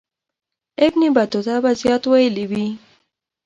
ابن بطوطه به زیات ویلي وي.